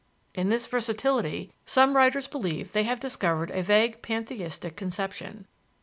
In this versatility some writers believe they have discovered a vague pantheistic conception.